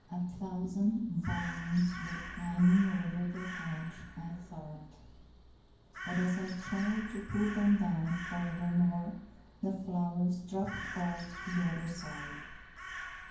A thousand vines were climbing o'er The hedge, I thought, but as I tried To pull them down, for evermore The flowers dropt off the other side!